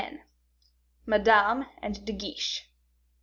Madame and De Guiche.